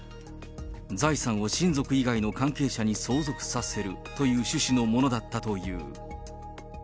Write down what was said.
財産を親族以外の関係者に相続させるという趣旨のものだったという。